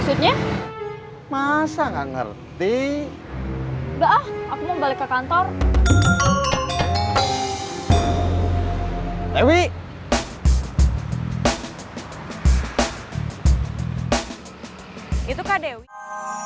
sampai jumpa di video selanjutnya